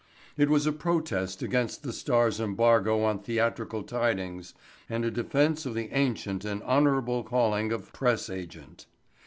It was a protest against the Star's embargo on theatrical tidings and a defense of the ancient and honorable calling of press agent.